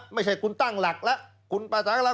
ไม่ใช่คุณตั้งหลักละคุณประจักรละ